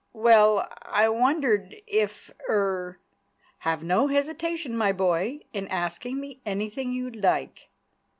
"Well, I wondered if—er——" "Have no hesitation, my boy, in asking me anything you like."